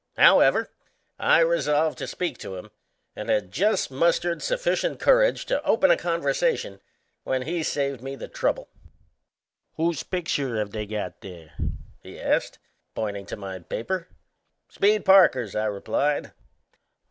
However, I resolved to speak to him, and had just mustered sufficient courage to open a conversation when he saved me the trouble. "Whose picture have they got there?" he asked, pointing to my paper. "Speed Parker's," I replied.